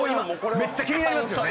めっちゃ気になりますよね。